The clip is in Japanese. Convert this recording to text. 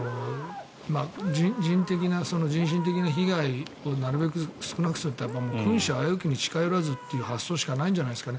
人身的な被害をなるべく少なくするために君子危うきに近付かずという発想しかないんじゃないですか。